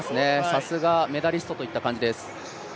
さすがメダリストといった感じです。